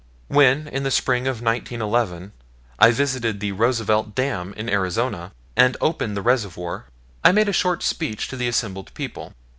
When in the spring of 1911 I visited the Roosevelt Dam in Arizona, and opened the reservoir, I made a short speech to the assembled people.